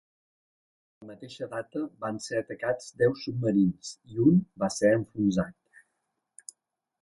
En la mateixa data van ser atacats deu submarins i un va ser enfonsat.